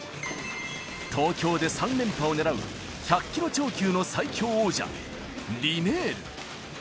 東京で３連覇を狙う、１００キロ超級の最強王者、リネール。